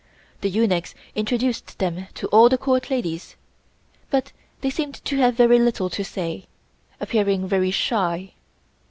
The eunuchs introduced them to all the Court ladies, but they seemed to have very little to say, appearing very shy.